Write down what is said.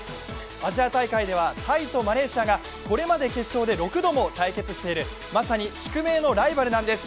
アジア大会ではタイとマレーシアがこれまで決勝で６度も対決しているまさに宿命のライバルなんです。